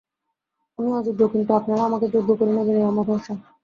আমি অযোগ্য, কিন্তু আপনারা আমাকে যোগ্য করে নেবেন এই আমার ভরসা।